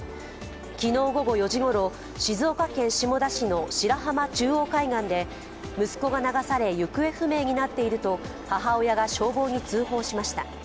昨日午後４時ごろ、静岡県下田市の白浜中央海岸で息子が流され、行方不明になっていると母親が消防に通報しました。